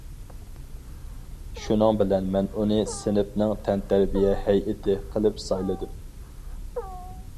شۇنىڭ بىلەن مەن ئۇنى سىنىپنىڭ تەنتەربىيە ھەيئىتى قىلىپ سايلىدىم.